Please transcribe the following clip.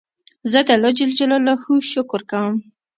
زه د الله جل جلاله شکر کوم.